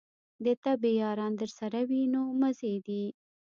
د طبې یاران درسره وي نو مزې دي.